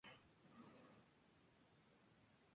Macedonia es libre.